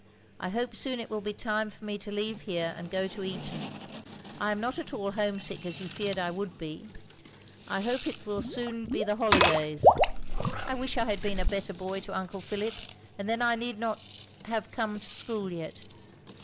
I hope soon it will he time for me to leeve here and go to Eton, I am not at all homsick as you jeered I would he. I hope it will soon he OP GROSVENOR SQUARE 33 the hollydays, I wish I had been a better boy to uncle Philip, and then I need not have come to schol yet.